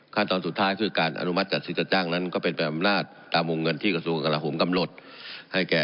ขั้นตอนสุดท้ายที่การอนุมัติจัดซื้อจัดจ้างนั่นก็เป็นแปลมนาธิที่ปัญหา